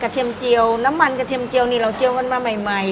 เทียมเจียวน้ำมันกระเทียมเจียวนี่เราเจียวกันมาใหม่